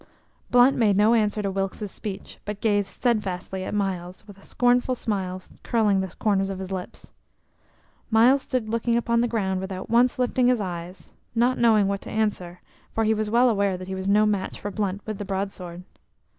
Blunt made no answer to Wilkes's speech, but gazed steadfastly at Myles, with a scornful smile curling the corners of his lips. Myles stood looking upon the ground without once lifting his eyes, not knowing what to answer, for he was well aware that he was no match for Blunt with the broadsword.